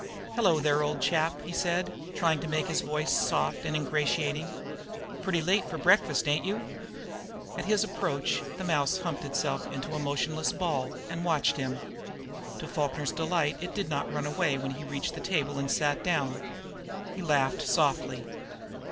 "Hello there, old chap," he said, trying to make his voice soft and ingratiating. "Pretty late for breakfast, ain't you?" At his approach the mouse humped itself into a motionless ball and watched him. To Falkner's delight it did not run away when he reached the table and sat down. He laughed softly.